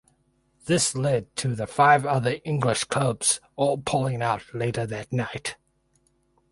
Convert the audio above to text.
This led to the five other English clubs all pulling out later that night.